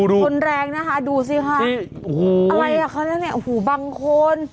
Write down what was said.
อะไรอ่ะเขาเรียกแล้วเนี่ยบางคน